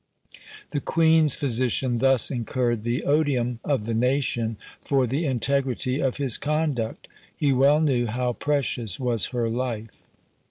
The queen's physician thus incurred the odium of the nation for the integrity of his conduct: he well knew how precious was her life!